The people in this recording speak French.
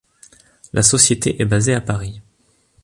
La société est basée à Paris.